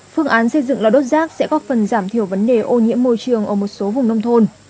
phương án xây dựng lò đốt rác sẽ góp phần giảm thiểu vấn đề ô nhiễm môi trường ở một số vùng nông thôn